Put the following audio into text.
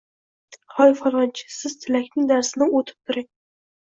— Hoy Falonchi, Siz Tilakning darsini o‘tib turing.